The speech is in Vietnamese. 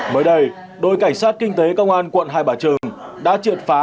mới đây đôi cảnh sát kinh tế công an quận hai bà trường đã triệt phá